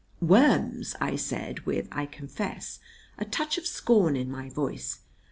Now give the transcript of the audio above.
"Worms!" I said, with, I confess, a touch of scorn in my voice.